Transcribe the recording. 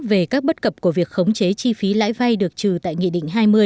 về các bất cập của việc khống chế chi phí lãi vay được trừ tại nghị định hai mươi